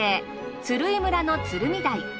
鶴居村の鶴見台。